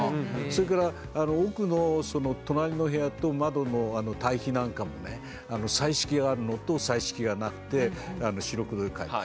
それから奥の隣の部屋と窓の対比なんかもね彩色があるのと彩色がなくて白黒で描いて。